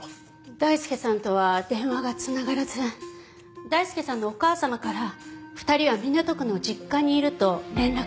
大輔さんとは電話が繋がらず大輔さんのお母様から２人は港区の実家にいると連絡があったそうです。